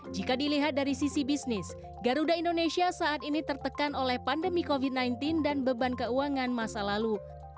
jika dilihat dari sisi bisnis garuda indonesia saat ini tertekan oleh pandemi covid sembilan belas dan beban keuangan masa lalu